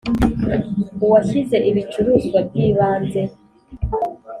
uwashyize ibicuruzwa by ibanze